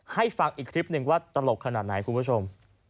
ให้ฟังอีกคลิปหนึ่งว่าตลกขนาดไหนคุณผู้ชม